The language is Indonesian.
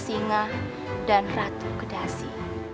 singa dan ratu kedasi